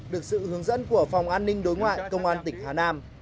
được sự hướng dẫn của phòng an ninh đối ngoại công an tỉnh hà nam